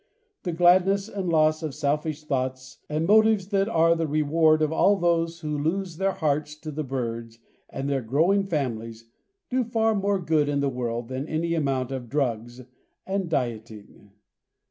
The gladness and loss of selfish thoughts and motives that are the reward of all those who lose their hearts to the birds and their growing families do far more good in the world than any amount of drugs and dieting.